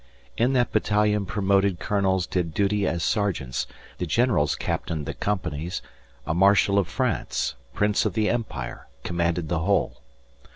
In that battalion promoted colonels did duty as sergeants; the generals captained the companies; a marshal of France, Prince of the Empire, commanded the whole.